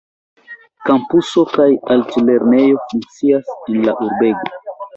Kampuso kaj altlernejo funkcias en la urbego.